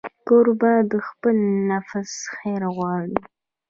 کوربه د خپل نفس خیر غواړي.